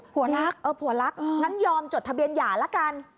รักเออผัวรักงั้นยอมจดทะเบียนหย่าละกัน